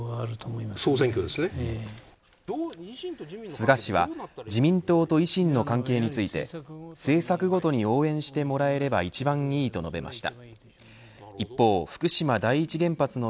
菅氏は自民党と維新の関係について政策ごとに応援してもらえれば一番いいと述べました。